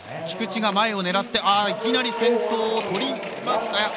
菊池が前を狙っていきなり先頭を取りますか。